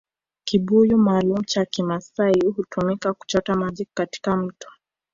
Kibuyu maalumu cha Kimaasai hutumika kuchota maji katika mto